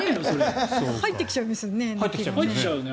入ってきちゃいますよね。